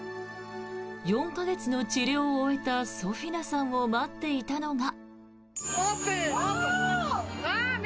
４か月の治療を終えたソフィナさんを待っていたのが。